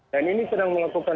dan ini sedang melakukan